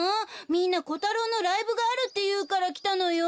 みんなコタロウのライブがあるっていうからきたのよ。